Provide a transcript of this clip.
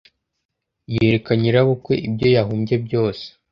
yereka nyirabukwe ibyo yahumbye byose